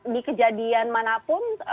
di kejadian manapun